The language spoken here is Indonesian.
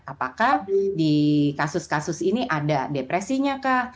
apakah di kasus kasus ini ada depresinya kah